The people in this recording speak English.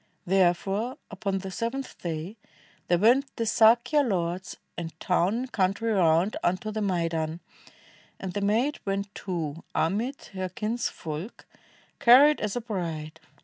Therefore, upon the seventh day, there went The Sakya lords and town and countn, round Unto the maidan; and the maid went too Amid her kinsfolk, carried as a bride.